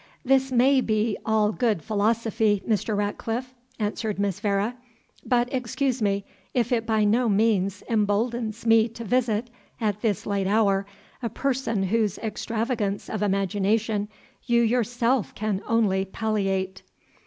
"This may be all good philosophy, Mr. Ratcliffe," answered Miss Vere; "but, excuse me, it by no means emboldens me to visit, at this late hour, a person whose extravagance of imagination you yourself can only palliate."